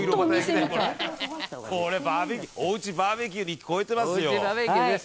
「これおうちバーベキューの域超えてますよ」